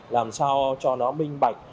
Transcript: làm sao cho nó minh bạch